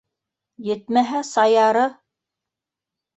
Етмәһә, Саяры...